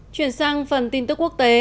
chuyển sang phần tin tức quốc tế